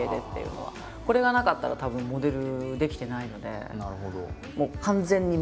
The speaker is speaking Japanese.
これがなかったらたぶんモデルできてないので。